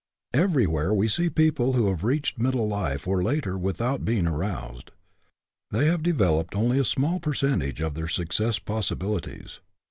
Everywhere we see people who have reached middle life or later without being aroused. They have developed only a small percentage of their success possibilities.